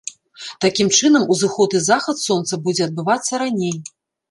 Такім чынам, узыход і захад сонца будзе адбывацца раней.